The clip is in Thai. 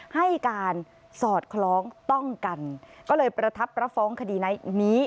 ให้การสอดคล้องต้องกันก็เลยประทับรับฟ้องคดีในนี้